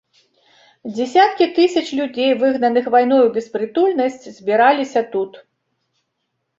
Дзесяткі тысяч людзей, выгнаных вайной у беспрытульнасць, збіраліся тут.